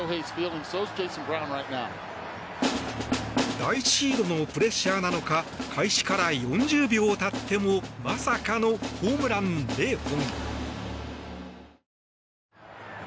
第１シードのプレッシャーなのか開始から４０秒経ってもまさかのホームラン０本。